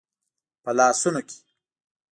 په لاسونو کې